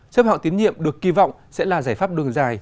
xếp hạng tín nhiệm được kỳ vọng sẽ là giải pháp đường dài